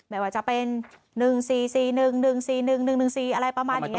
แม้ว่าจะเป็น๑๔๔๑๑๔๑๑๔อะไรประมาณนี้นะคะ